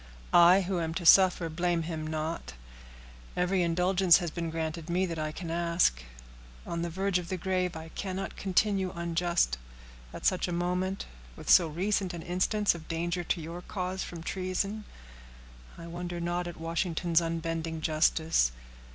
"I, who am to suffer, blame him not. Every indulgence has been granted me that I can ask. On the verge of the grave I cannot continue unjust. At such a moment, with so recent an instance of danger to your cause from treason, I wonder not at Washington's unbending justice.